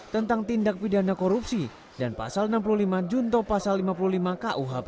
tentang tindak pidana korupsi dan pasal enam puluh lima junto pasal lima puluh lima kuhp